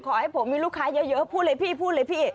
ขอให้ผมมีลูกค้ายาเยอะผู้ให้พี่ลูกค้า